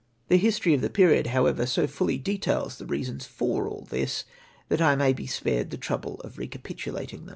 The history of the period, however, so fully details the reasons for all this, that I may be spared the trouble of re capitulating them.